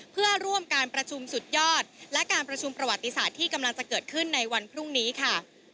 เพื่อร่วมการประชุมสุดยอดและการประชุมประวัติศาสตร์ที่กำลังจะเกิดขึ้นในวันพรุ่งนี้ค่ะ